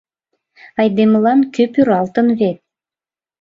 Айдемылан кӧ пӱралтын вет...